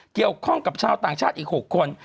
เกี่ยวข้องกับชาวต่างชาติอีก๖คน